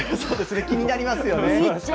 気になりますよね。